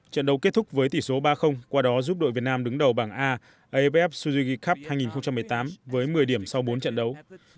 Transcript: trận đấu kết thúc với tỷ số ba qua đó giúp đội việt nam đứng đầu bảng a aff suzugi cup hai nghìn một mươi tám với một mươi điểm sau bốn trận đấu